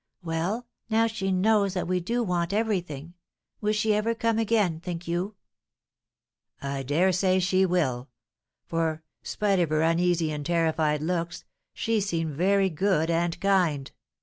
Well, now she knows that we do want everything, will she ever come again, think you?" "I dare say she will; for, spite of her uneasy and terrified looks, she seemed very good and kind."